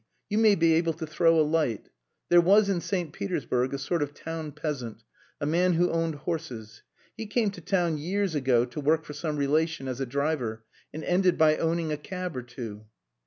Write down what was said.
You may be able to throw a light. There was in St. Petersburg a sort of town peasant a man who owned horses. He came to town years ago to work for some relation as a driver and ended by owning a cab or two."